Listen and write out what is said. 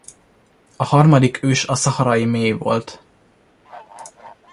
A harmadik ős a szaharai méh volt.